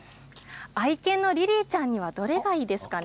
愛犬のリリーちゃんにはどれがいいですかね？